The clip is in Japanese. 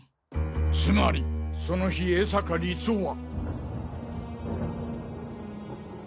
つまりその日江坂律雄は。